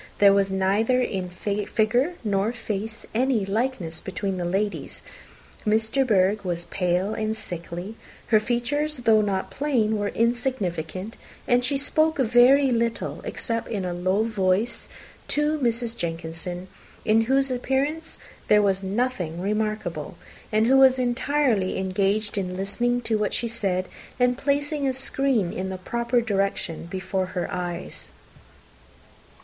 There was neither in figure nor face any likeness between the ladies. Miss de Bourgh was pale and sickly: her features, though not plain, were insignificant; and she spoke very little, except in a low voice, to Mrs. Jenkinson, in whose appearance there was nothing remarkable, and who was entirely engaged in listening to what she said, and placing a screen in the proper direction before her eyes.